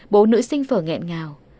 bố nữ sinh phở nghẹn ngào